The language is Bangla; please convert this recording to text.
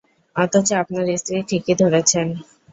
অথচ আপনার স্ত্রী ঠিকই ধরেছেন।